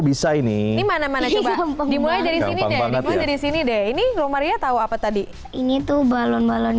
bisa ini gimana mana coba dimulai dari sini deh ini romaria tahu apa tadi ini tuh balon balon